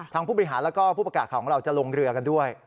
ผู้บริหารแล้วก็ผู้ประกาศของเราจะลงเรือกันด้วย